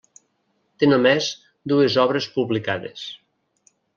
Té només dues obres publicades.